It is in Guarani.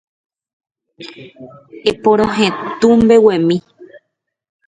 Eporohetũ mbeguemi